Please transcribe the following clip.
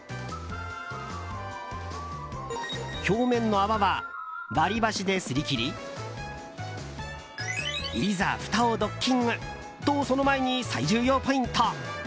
表面の泡は、割り箸ですり切りいざ、ふたをドッキングとその前に最重要ポイント。